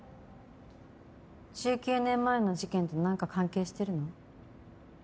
１９年前の事件と何か関係してるの？